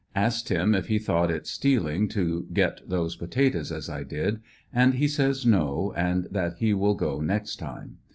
Asked him if he thought it stealing to get those potatoes as I did, and he says no, and that he will go next time.